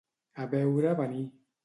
A veure venir.